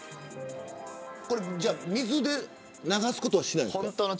これ、じゃあ水で流すことはしないんですか。